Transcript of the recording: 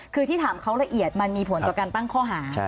คือที่ถามเขาละเอียดมันมีผลต่อการตั้งข้อหา